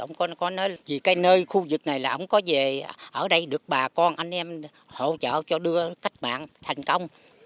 ông có nói vì cái nơi khu vực này là ông có về ở đây được bà con anh em hỗ trợ cho đưa cách mạng thành công